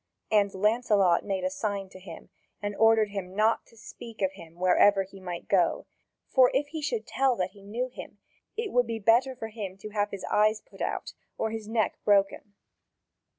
And Lancelot made a sign to him, and ordered him not to speak of him wherever he might go, for if he should tell that he knew him, it would be better for him to have his eyes put out or his neck broken.